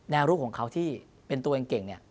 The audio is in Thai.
แนวรูปของเขาที่เป็นตัวเองเก่ง